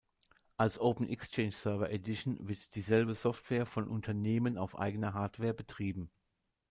Als "Open-Xchange Server Edition" wird dieselbe Software von Unternehmen auf eigener Hardware betrieben.